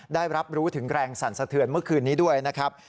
ได้รับรู้ถึงแรงสั่นสะเทือนเมื่อคืนนี้ด้วยนะครับ